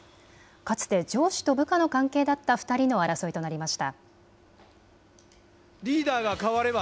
かつて上司と部下の関係だった２人の争いとなりました。